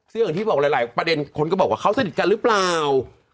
ซึ่งอย่างที่บอกหลายประเด็นคนก็บอกว่าเขาสนิทกันหรือเปล่า